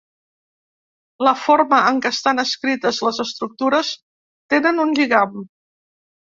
La forma en què estan escrites les estructures tenen un lligam.